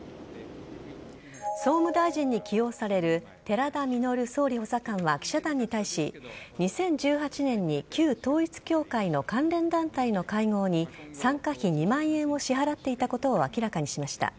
総務大臣に起用される寺田稔総理補佐官は記者団に対し２０１８年に旧統一教会の関連団体の会合に参加費２万円を支払っていたことを明らかにしました。